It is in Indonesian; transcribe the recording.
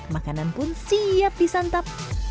makanan pun siap disantap